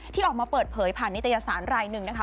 ที่ออกมาเปิดเผยผ่านนิตยสารรายหนึ่งนะคะ